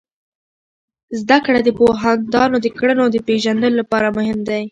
زده کړه د پوهاندانو د کړنو د پیژندلو لپاره مهم دی.